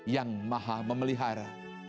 yang maha memelihara